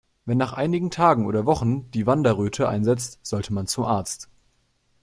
Wenn nach einigen Tagen oder Wochen die Wanderröte einsetzt, sollte man zum Arzt.